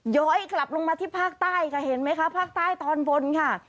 ย้อยกลับลงมาที่ภาคใต้ค่ะเห็นไหมคะภาคใต้ตอนบนค่ะ